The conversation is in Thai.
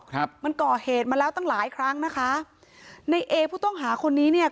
ครับมันก่อเหตุมาแล้วตั้งหลายครั้งนะคะในเอผู้ต้องหาคนนี้เนี่ย